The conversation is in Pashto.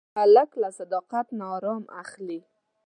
هلک له صداقت نه ارام اخلي.